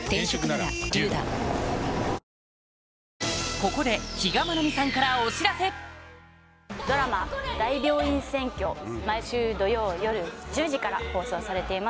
ここでドラマ『大病院占拠』毎週土曜夜１０時から放送されています。